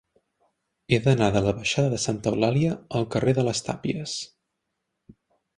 He d'anar de la baixada de Santa Eulàlia al carrer de les Tàpies.